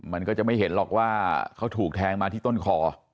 มันก็จะไม่เห็นหรอกว่าเขาถูกแทงมาที่ต้นคอ